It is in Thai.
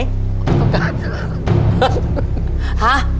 ต้องการ